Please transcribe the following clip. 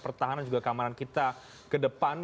pertahanan juga keamanan kita ke depan